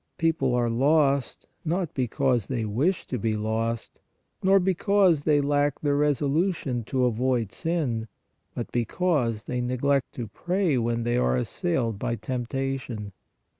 People are lost, not because they wish to be lost, nor because they lack the reso lution to avoid sin, but because they neglect to pray WHEN TO PRAY 125 when they are assailed by temptation.